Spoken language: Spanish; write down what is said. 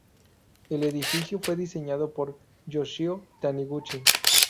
El edificio fue diseñado por Yoshio Taniguchi.